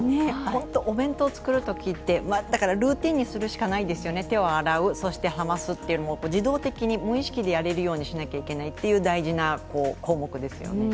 お弁当を作る時ってルーティンにするしかないですよね、手を洗う、冷ますって自動的に無意識でやれるようにしなきゃいけないという大事な項目ですよね。